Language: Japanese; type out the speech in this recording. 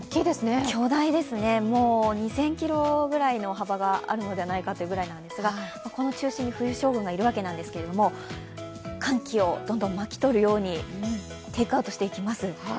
巨大ですね、２０００ｋｍぐらいの幅があるのではないかということですが、この中心に冬将軍がいるわけなんですけれども、寒気をどんどん巻き取るようにテークアウトしていきます。